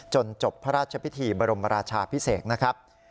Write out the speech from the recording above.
จบพระราชพิธีบรมราชาพิเศษนะครับ